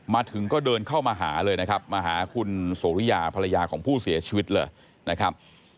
มาถึงก็เดินเข้ามาหาเลยนะครับมาหาคุณสุริยาภรรยาของผู้เสียชีวิตเลยนะครับ